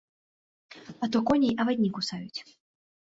А то коней авадні кусаюць.